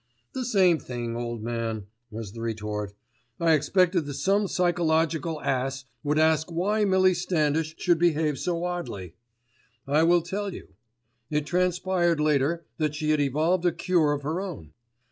"The same thing, old man," was the retort. "I expected that some psychological ass would ask why Millie Standish should behave so oddly. I will tell you. It transpired later that she had evolved a cure of her own.